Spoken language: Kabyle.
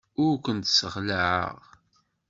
Ur kent-ssexlaɛeɣ.